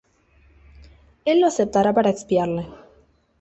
él lo aceptará para expiarle.